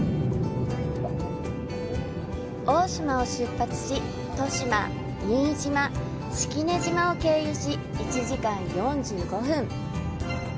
大島を出発し利島、新島、式根島を経由し１時間４５分。